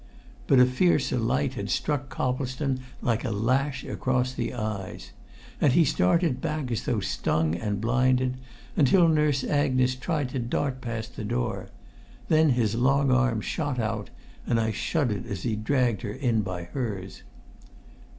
But a fiercer light had struck Coplestone like a lash across the eyes. And he started back as though stung and blinded, until Nurse Agnes tried to dart past the door; then his long arm shot out, and I shuddered as he dragged her in by hers.